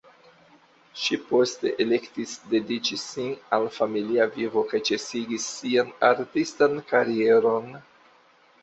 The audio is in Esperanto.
Ŝi poste elektis dediĉi sin al familia vivo kaj ĉesigis sian artistan karieron.